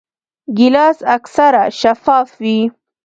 ګیلاس اکثره شفاف وي.